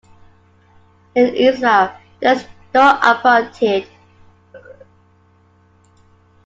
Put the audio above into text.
In Israel, there is no apartheid.